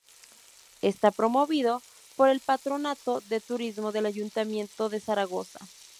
Está promovido por el Patronato de Turismo del Ayuntamiento de Zaragoza.